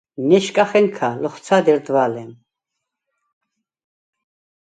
ნე̄შკახა̈ნქა ლოხვცა̄̈დ ერდვა̄ლე̄მ: